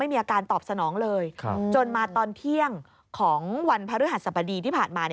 มีอาการตอบสนองเลยจนมาตอนเที่ยงของวันพระฤหัสสบดีที่ผ่านมา